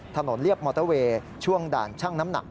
เรียบมอเตอร์เวย์ช่วงด่านช่างน้ำหนัก